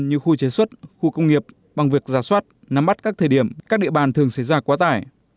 như khu chế xuất khu công nghiệp bằng việc giả soát nắm bắt các thời điểm các địa bàn thường xảy ra quá tải